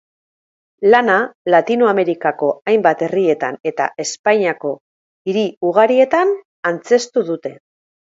Lana Latinoamerikako hainbat herritan eta Espainiako hiri ugarietan antzeztu dute.